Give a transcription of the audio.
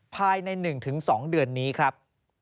ภายใน๑๒เดือนนี้ครับ